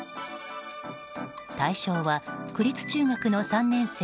対象は区立中学の３年生